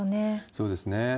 そうですね。